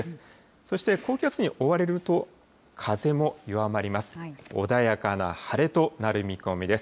そして高気圧に覆われると風も弱まります。